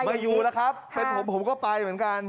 ไม่อยู่แล้วครับเป็นผมผมก็ไปเหมือนกัน